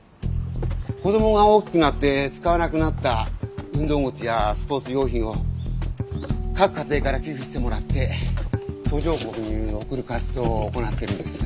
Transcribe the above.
子供が大きくなって使わなくなった運動靴やスポーツ用品を各家庭から寄付してもらって途上国に送る活動を行っているんです。